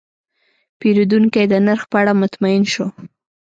پیرودونکی د نرخ په اړه مطمین شو.